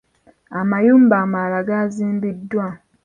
Amayumba amalala gazimbiddwa.